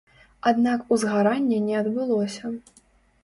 Аднак узгарання не адбылося.